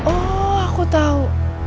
oh aku tahu